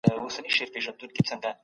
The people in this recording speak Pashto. دا زما کور دئ.